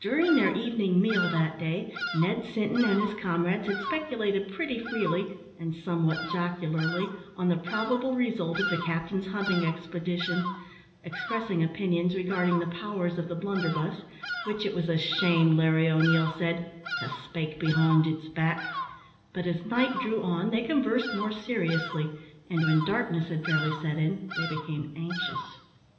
During their evening meal that day, Ned Sinton and his comrades had speculated pretty freely, and somewhat jocularly, on the probable result of the captain's hunting expedition expressing opinions regarding the powers of the blunderbuss, which it was a shame, Larry O'Neil said, "to spake behind its back;" but as night drew on, they conversed more seriously, and when darkness had fairly set in they became anxious.